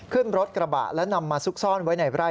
ขึ้นรถกระบะและนำมาซุกซ่อนไว้ในไร่